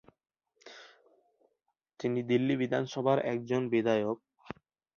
তিনি দিল্লি বিধানসভার একজন বিধায়ক।